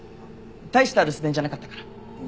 大した留守電じゃなかったから。